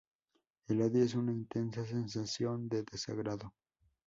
El odio es una intensa sensación de desagrado.